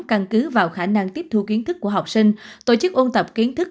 căn cứ vào khả năng tiếp thu kiến thức của học sinh tổ chức ôn tập kiến thức